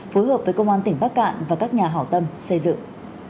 phối hợp với công an tỉnh bắc cạn và các nhà hảo tâm xây dựng